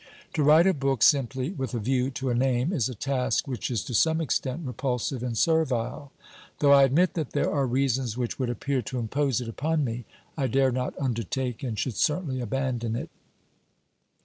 To write a book simply with a view to a name is a task which is to some extent repulsive and servile ; though I admit that there are reasons which would appear to impose 336 OBERMANN it upon me, I dare not undertake and should certainly abandon it.